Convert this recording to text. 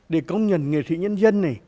để công nhận nghệ sĩ nhân dân này